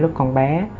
lúc con bé